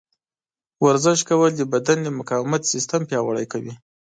ورزش کول د بدن د مقاومت سیستم پیاوړی کوي.